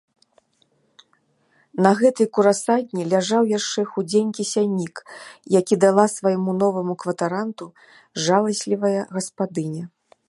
На гэтай курасадні ляжаў яшчэ худзенькі сяннік, які дала свайму новаму кватаранту жаласлівая гаспадыня.